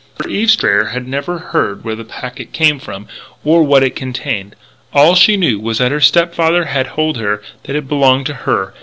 For Eve Strayer had never heard where the packet came from or what it contained. All she knew was that her stepfather had told her that it belonged to her.